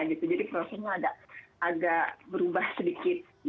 jadi prosesnya agak berubah sedikit